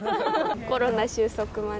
コロナ終息まで。